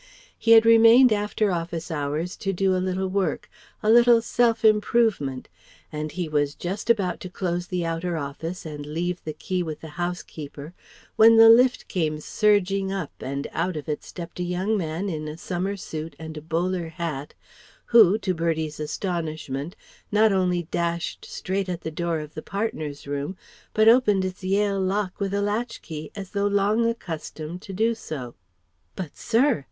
He had remained after office hours to do a little work, a little "self improvement"; and he was just about to close the outer office and leave the key with the housekeeper, when the lift came surging up and out of it stepped a young man in a summer suit and a bowler hat who, to Bertie's astonishment, not only dashed straight at the door of the partners' room, but opened its Yale lock with a latch key as though long accustomed to do so. "But, sir!..."